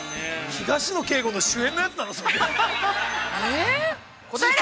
◆東野圭吾の主演のやつだな。